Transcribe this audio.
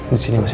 di sini masih